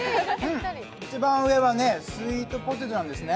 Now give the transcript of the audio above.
一番上はスイートポテトなんですね。